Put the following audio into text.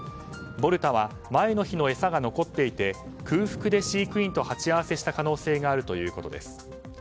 ボルタは前の日の餌が残っていて空腹で飼育員と鉢合わせした可能性があるということです。